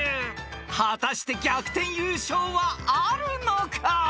［果たして逆転優勝はあるのか？］